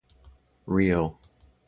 Real.